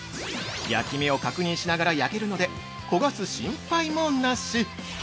焼き目を確認しながら焼けるので、焦がす心配もなし！！